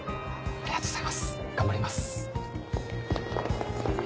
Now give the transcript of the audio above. ありがとうございます頑張ります。